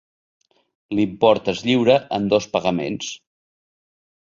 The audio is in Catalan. L'import es lliura en dos pagaments.